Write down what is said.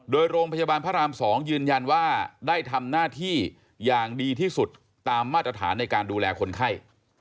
โดยโรงพยาบาลพระราม๒ยืนยันว่าได้ทำหน้าที่อย่างดีที่สุดตามมาตรฐานในการดูแลคนไข้